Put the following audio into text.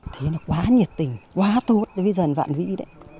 thấy nó quá nhiệt tình quá tốt với dân vạn vĩ đấy